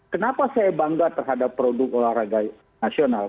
kenapa saya bangga terhadap produk olahraga nasional